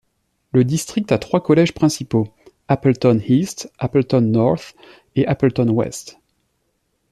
Le district à trois collèges principaux, Appleton East, Appleton North et Appleton West.